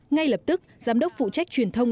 ngay lập tức giám đốc phụ trách truyền thông